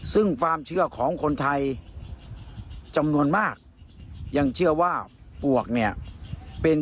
ซึ่งความเชื่อของคนไทยจำนวนมากยังเชื่อว่าปวกเนี่ยเป็น